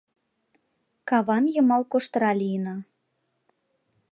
Каван йымал коштыра лийына.